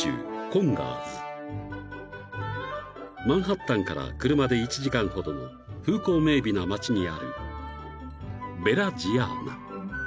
［マンハッタンから車で１時間ほどの風光明媚な町にある］